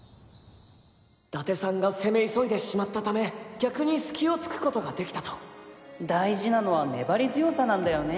伊達さんが攻め急いでしまったため逆にスキをつくことができたと大事なのは粘り強さなんだよね